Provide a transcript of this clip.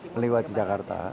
meliwat di jakarta